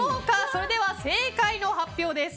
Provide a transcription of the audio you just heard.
それでは正解の発表です。